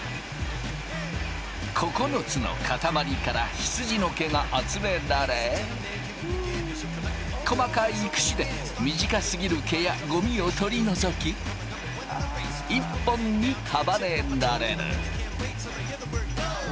９つの塊から羊の毛が集められ細かいクシで短すぎる毛やゴミを取り除き一本に束ねられる。